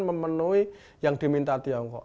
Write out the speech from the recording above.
memenuhi yang diminta tiongkok